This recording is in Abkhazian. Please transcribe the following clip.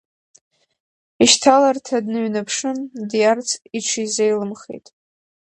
Ишьҭаларҭа дныҩнаԥшын, диарц иҽизеилымхит.